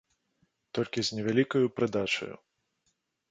Толькі з невялікаю прыдачаю.